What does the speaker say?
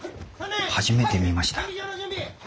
初めて見ました。